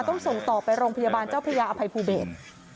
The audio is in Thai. ต้องส่งต่อไปโรงพยาบาลเจ้าพระยาอภัยภูเบศ